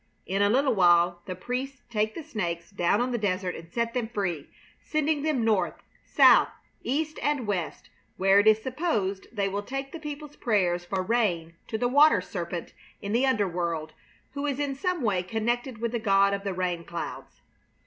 In a little while the priests take the snakes down on the desert and set them free, sending them north, south, east, and west, where it is supposed they will take the people's prayers for rain to the water serpent in the underworld, who is in some way connected with the god of the rain clouds.